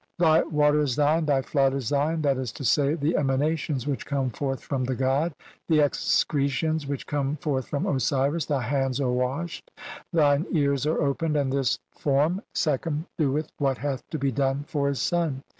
(66) Thy "water is thine, thy flood is thine, that is to say, the "emanations which come forth from the God, the ex cretions which come forth from Osiris ; thy hands "are washed, thine ears are opened, and this Form "(sekhem) doeth what hath to be done for his son.